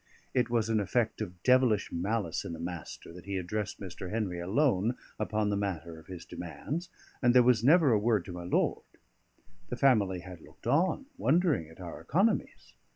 It was an effect of devilish malice in the Master that he addressed Mr. Henry alone upon the matter of his demands, and there was never a word to my lord. The family had looked on, wondering at our economies.